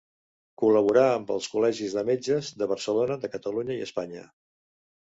Col·laborà amb els Col·legis de Metges de Barcelona, de Catalunya i Espanya.